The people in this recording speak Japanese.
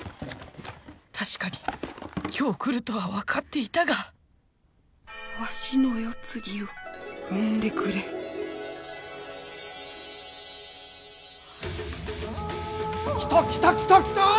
確かに今日来るとは分かっていたが儂の世継ぎを産んでくれきたきたきたきたー！